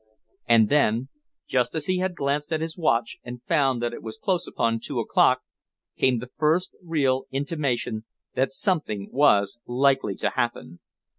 And then, just as he had glanced at his watch and found that it was close upon two o'clock, came the first real intimation that something was likely to happen.